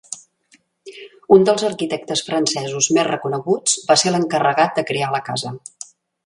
Un dels arquitectes francesos més reconeguts va ser l'encarregat de crear la casa.